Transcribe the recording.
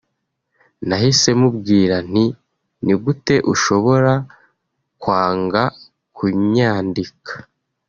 nahise mubwira nti ni gute ushobora kwanga kunyandika